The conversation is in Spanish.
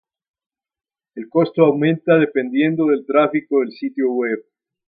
El costo aumenta dependiendo del tráfico del sitio web.